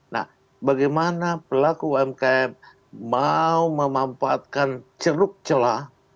nah bagaimana pelaku umkm mau memanfaatkan ceruk celah